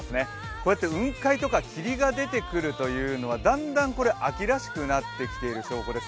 こうやって雲海とか霧が出てくるというのはだんだん秋らしくなってきている証拠です。